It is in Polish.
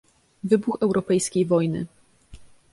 "Wybuch europejskiej wojny."